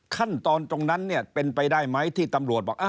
ขั้นตอนตรงนั้นเนี่ยเป็นไปได้ไหมที่ตำรวจบอก